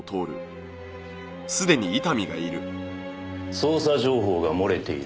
捜査情報が漏れている。